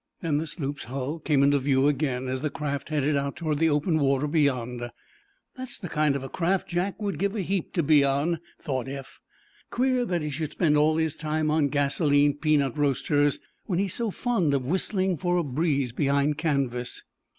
Then the sloop's hull came into view again, as the craft headed out toward the open water beyond. "That's the kind of a craft Jack would give a heap to be on," thought Eph. "Queer that he should spend all his time on gasoline peanut roasters when he's so fond of whistling for a breeze behind canvas."